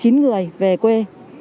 chín người về quê